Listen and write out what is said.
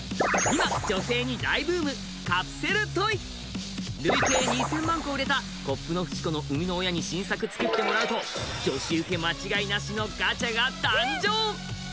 今女性に大ブーム累計２０００万個売れた「コップのフチ子」の生みの親に新作つくってもらうと女子ウケ間違いなしのガチャが誕生！